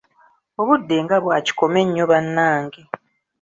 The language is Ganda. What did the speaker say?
Obudde nga bwa kikome nnyo bannange!